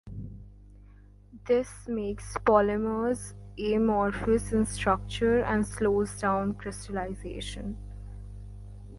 This makes polymers amorphous in structure and slows down crystallization.